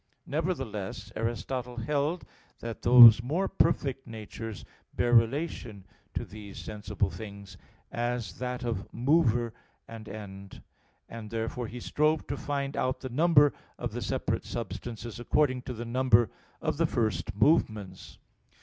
Nevertheless Aristotle held (Metaph. xi, text 43) that those more perfect natures bear relation to these sensible things, as that of mover and end; and therefore he strove to find out the number of the separate substances according to the number of the first movements.